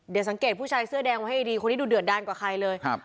เดี๋ยวสังเกตผู้ชายเสื้อแดงไว้ให้ดีคนนี้ดูเดือดดันกว่าใครเลย